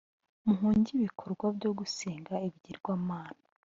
muhunge ibikorwa byo gusenga ibigirwamana